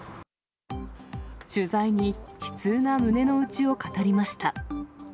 取材に悲痛な胸の内を語りました。